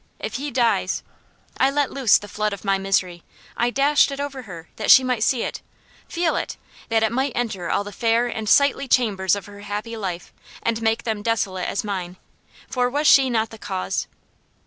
If he dies " I let loose the flood of my misery. I dashed it over her, that she might see it feel it; that it might enter all the fair and sightly chambers of her happy life, and make them desolate as mine. For was she not the cause?